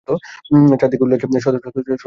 চারিদিকে উল্লাস, সদ্ভাব, শান্তি।